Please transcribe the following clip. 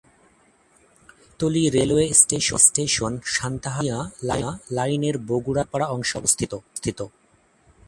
Gabtali railway station Santahar Kaunia লাইনের বগুড়া-বোনারপাড়া অংশে অবস্থিত।